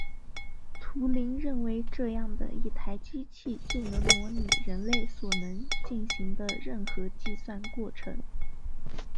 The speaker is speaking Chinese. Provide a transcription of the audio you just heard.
图灵认为这样的一台机器就能模拟人类所能进行的任何计算过程。